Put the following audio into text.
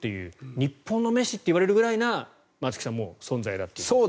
日本のメッシと言われるぐらい松木さん、存在だという。